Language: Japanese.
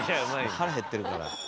腹へってるから。